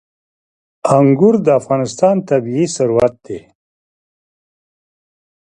انګور د افغانستان طبعي ثروت دی.